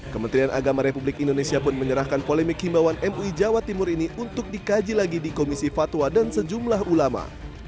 kementerian agama republik indonesia pun menyerahkan polemik himbauan mui jawa timur ini untuk dikaji lagi di komisi fatwa dan sejumlah ulama